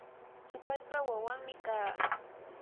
supaypa wawanmi kaa.